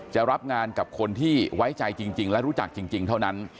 จะรับงานกับคนที่ไว้ใจจริงและรู้จักจริงเท่านั้น